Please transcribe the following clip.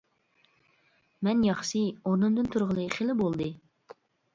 -مەن ياخشى، ئورنۇمدىن تۇرغىلى خېلى بولدى.